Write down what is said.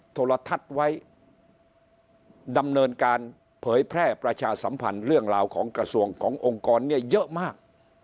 โทรทัศน์ไว้ดำเนินการเผยแพร่ประชาสัมพันธ์เรื่องราวของกระทรวงขององค์กรเนี่ยเยอะมาก